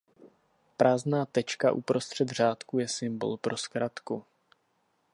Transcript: Prázdná tečka uprostřed řádku je symbol pro zkratku.